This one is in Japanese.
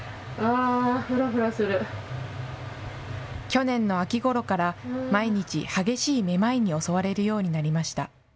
去年の秋ごろから毎日激しいめまいに襲われるようになりました。